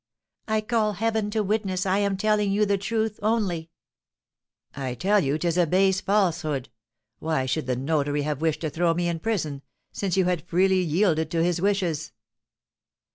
I call Heaven to witness I am telling you the truth only." "I tell you 'tis a base falsehood. Why should the notary have wished to throw me in prison, since you had freely yielded to his wishes?"